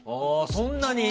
そんなに！